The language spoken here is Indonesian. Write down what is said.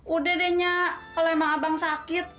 udah deh nyak kalau emang abang sakit